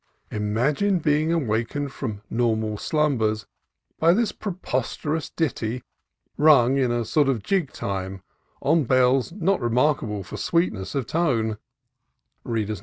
Imagine being awakened from normal slumbers by this preposterous ditty, rung, in a sort of jig time, on bells not remarkable for sweetness of tone — Vivace.